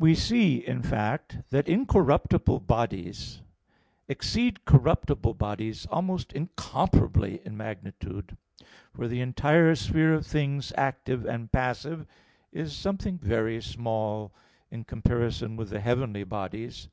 We see, in fact, that incorruptible bodies, exceed corruptible bodies almost incomparably in magnitude; for the entire sphere of things active and passive is something very small in comparison with the heavenly bodies.